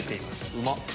うまっ！